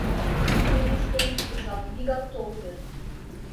Нигушто ит кучалт, вигак тол вет...